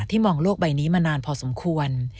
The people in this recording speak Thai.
มองโลกใบนี้มานานพอสมควร